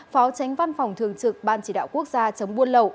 phó tránh văn phòng thường trực ban chỉ đạo quốc gia chống buôn lậu